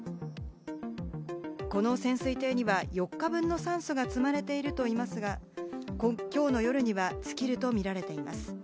この潜水艇には４日分の酸素が積まれているといいますが、きょうの夜には尽きると見られています。